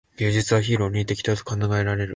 芸術は非論理的と考えられる。